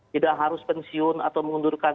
tidak harus pensiun atau mengundurkan